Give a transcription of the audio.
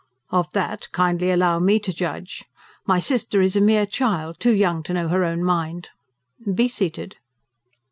"Of that, kindly allow me to judge. My sister is a mere child too young to know her own mind. Be seated."